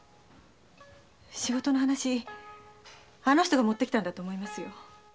仕事の話あの人が持ってきたんだと思いますよ。